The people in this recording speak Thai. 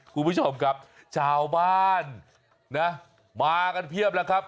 คุณผู้ชมครับชาวบ้านนะมากันเพียบแล้วครับ